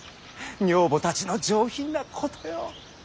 女房たちの上品なことよ。